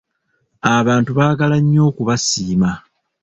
Abantu baagala nnyo okubasiima.